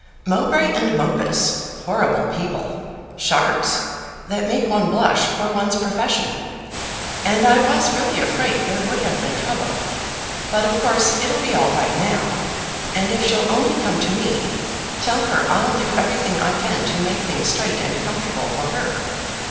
"Mowbray and Mopus; horrible people; sharks, that make one blush for one's profession; and I was really afraid there would have been trouble. But, of course, it'll be all right now; and if she'll only come to me, tell her I'll do everything I can to make things straight and comfortable for her.